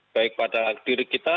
baik pada diri kita